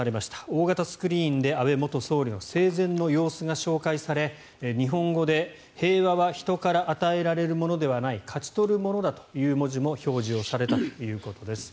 大型スクリーンで安倍元総理の生前の様子が紹介され日本語で、平和は人から与えられるものではない勝ち取るものだという文字も表示をされたということです。